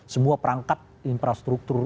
semua perangkat infrastruktur